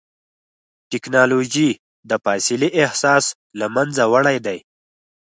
ټکنالوجي د فاصلې احساس له منځه وړی دی.